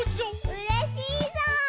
うれしいぞう！